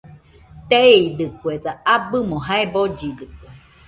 Teeidɨkuesa, abɨmo jae bollidɨkue